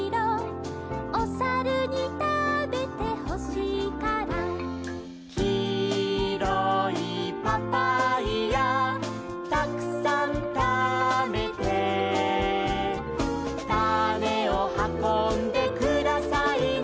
「おさるにたべてほしいから」「きいろいパパイヤたくさんたべて」「たねをはこんでくださいな」